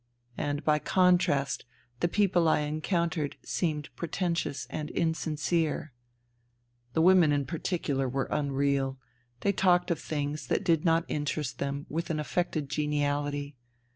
And, by contrast, the people I encountered seemed pretentious and insincere. The women in particular were unreal. They talked of things that did not interest them with an affected geniality.